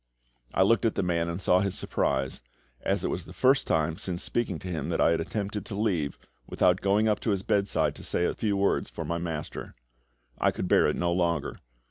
I looked at the man and saw his surprise, as it was the first time since speaking to him that I had attempted to leave without going up to his bedside to say a few words for my MASTER. I could bear it no longer.